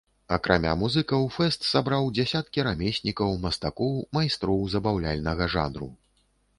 Акрамя музыкаў, фэст сабраў дзясяткі рамеснікаў, мастакоў, майстроў забаўляльнага жанру.